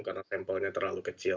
karena sampelnya terlalu kecil